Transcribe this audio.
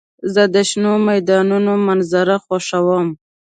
زه د شنو میدانونو منظر خوښوم.